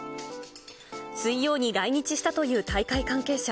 水曜に来日したという大会関係者。